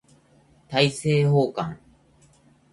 大政奉還